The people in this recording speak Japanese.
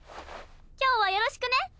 今日はよろしくね！